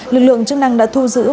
lực lượng chức năng đã thu giữ